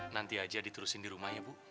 nanti aja diturusin di rumah ya bu